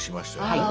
はい。